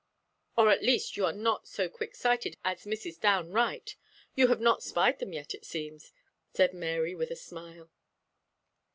"Or at least you are not so quick sighted as Mrs. Downe Wright. You have not spied them yet, it seems," said Mary, with a smile.